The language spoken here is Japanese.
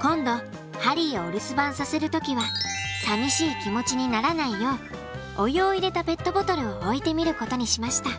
今度ハリーをお留守番させる時は寂しい気持ちにならないようお湯を入れたペットボトルを置いてみることにしました。